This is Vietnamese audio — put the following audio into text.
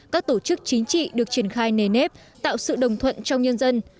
các tổ chức chính trị được triển khai nề nếp tạo sự đồng thuận trong nhân dân